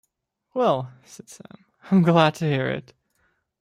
‘Well,’ said Sam, ‘I am glad to hear it.